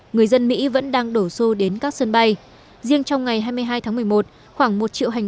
người dân mỹ vẫn đang đổ xô đến các sân bay riêng trong ngày hai mươi hai tháng một mươi một khoảng một triệu hành